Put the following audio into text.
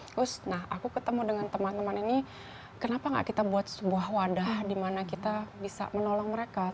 terus nah aku ketemu dengan teman teman ini kenapa gak kita buat sebuah wadah di mana kita bisa menolong mereka